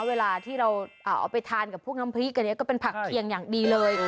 เวลาที่เราเอาไปทานกับพวกน้ำพริกอันนี้ก็เป็นผักเคียงอย่างดีเลย